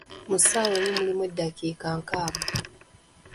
Mu ssaawa emu mulimu eddakiika nkaaga.